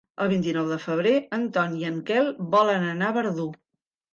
El vint-i-nou de febrer en Ton i en Quel volen anar a Verdú.